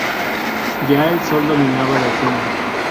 Ya el sol dominaba la escena.